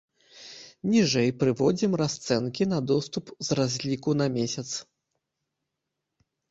Ніжэй прыводзім расцэнкі на доступ з разліку на месяц.